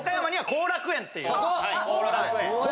後楽園。